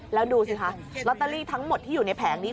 แล้วดูสิคะลอตเตอรี่ทั้งหมดที่อยู่ในแผงนี้